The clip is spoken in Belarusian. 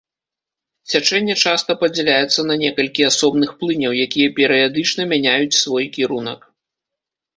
Цячэнне часта падзяляецца на некалькі асобных плыняў, якія перыядычна мяняюць свой кірунак.